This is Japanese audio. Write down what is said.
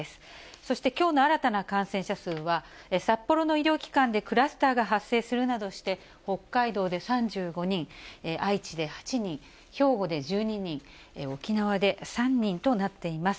そして、きょうの新たな感染者数は、札幌の医療機関でクラスターが発生するなどして、北海道で３５人、愛知で８人、兵庫で１２人、沖縄で３人となっています。